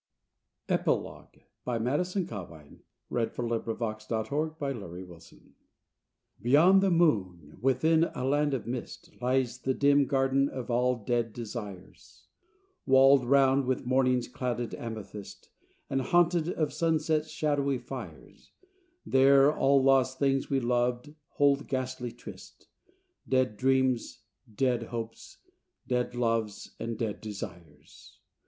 e the world he prized, When God forgive me! when I loved him most!" EPILOGUE Beyond the moon, within a land of mist, Lies the dim Garden of all Dead Desires, Walled round with morning's clouded amethyst, And haunted of the sunset's shadowy fires; There all lost things we loved hold ghostly tryst Dead dreams, dead hopes, dead loves, and dead desires.